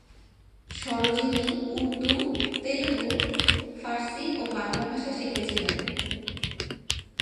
সরোজিনী উর্দু, তেলুগু, ফার্সি ও বাংলা ভাষা শিখেছিলেন।